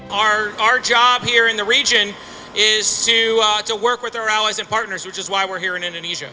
kita harus bekerja dengan rakan dan pasangan yang adalah alasan kita berada di indonesia